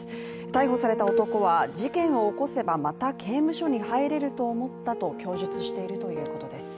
逮捕された男は事件を起こせばまた刑務所に入れると思ったと供述しているということです。